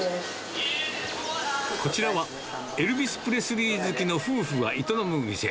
こちらは、エルヴィス・プレスリー好きの夫婦が営む店。